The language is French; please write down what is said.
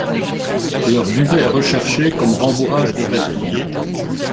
Leur duvet est recherché comme rembourrage de vêtements.